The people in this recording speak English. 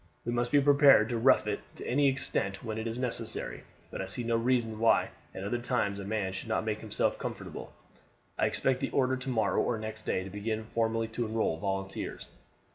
We must be prepared to rough it to any extent when it is necessary, but I see no reason why at other times a man should not make himself comfortable. I expect the order to morrow or next day to begin formally to enroll volunteers.